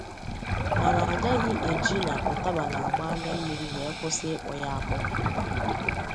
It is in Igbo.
Mana a gaghị eji na ụtaba na-agba anyammiri wee kwụsị ịkpọ ya akpọ.